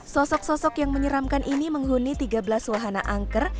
sosok sosok yang menyeramkan ini menghuni tiga belas wahana angker